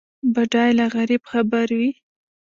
بډای له غریب خبر وي.